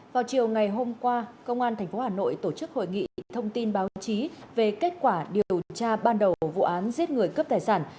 vào chiều ngày hôm qua công an tp hà nội tổ chức hội nghị thông tin báo chí về kết quả điều tra ban đầu vụ án giết người cướp tài sản